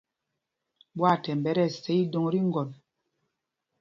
Ɓwâthɛmb ɓɛ tíɛsá ídôŋ tí ŋgɔn.